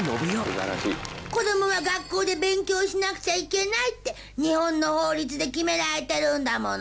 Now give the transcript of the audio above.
子どもが学校で勉強しなくちゃいけないって日本の法律で決められてるんだもの。